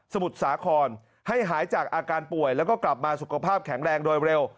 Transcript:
มุทรสาครให้หายจากอาการป่วยแล้วก็กลับมาสุขภาพแข็งแรงโดยเร็ว